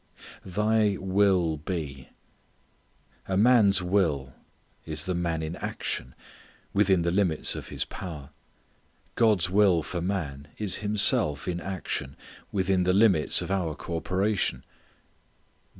"Thy will be." A man's will is the man in action, within the limits of his power. God's will for man is Himself in action, within the limits of our cooperation.